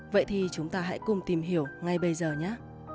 vậy thì chúng ta hãy cùng tìm hiểu ngay bây giờ nhé